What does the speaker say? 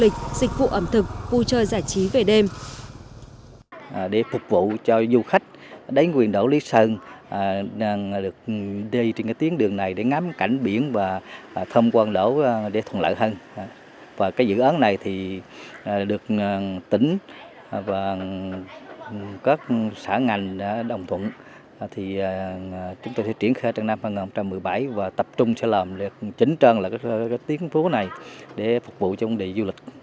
các sản phẩm du lịch dịch vụ ẩm thực vui chơi giải trí về đêm